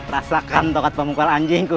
rasakan tokat pemukul anjingku